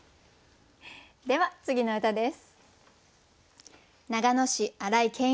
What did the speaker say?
では次の歌です。